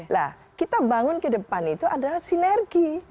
nah kita bangun ke depan itu adalah sinergi